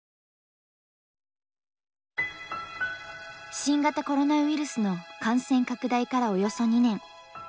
新型コロナウイルスの感染拡大からおよそ２年。